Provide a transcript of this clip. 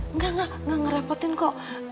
enggak enggak ngerepotin kok